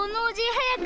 はやく。